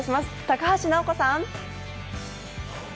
高橋尚子さん！